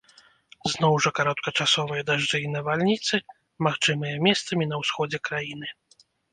Зноў жа кароткачасовыя дажджы і навальніцы магчымыя месцамі на ўсходзе краіны.